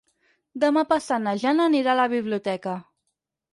Demà passat na Jana anirà a la biblioteca.